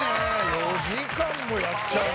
４時間もやっちゃうの？